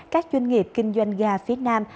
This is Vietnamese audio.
các doanh nghiệp kinh doanh ga phía nam